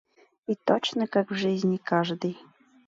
И точно как в жизни каждый